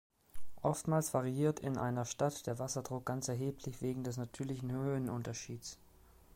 Oftmals variiert in einer Stadt der Wasserdruck ganz erheblich wegen des natürlichen Höhenunterschieds.